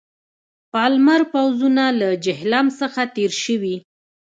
پالمر پوځونه له جیهلم څخه تېر شوي.